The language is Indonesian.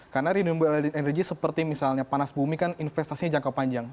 karena renewable energy seperti misalnya panas bumi kan investasinya jangka panjang